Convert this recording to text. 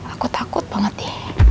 aku takut banget ya